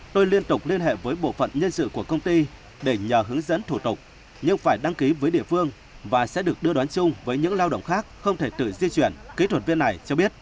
tôi liên tục liên hệ với bộ phận nhân sự của công ty để nhờ hướng dẫn thủ tục nhưng phải đăng ký với địa phương và sẽ được đưa đón chung với những lao động khác không thể tự di chuyển kỹ thuật viên này cho biết